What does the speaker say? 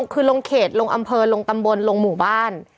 คือลงเขตลงอำเภอลงตำบลลงหมู่บ้าน